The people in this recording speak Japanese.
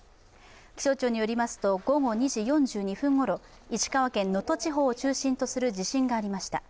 気象庁によりますと午後２時４２分ごろ石川県能登地方を中心とする地震がありました。